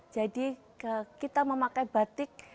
jadi kita memakai batik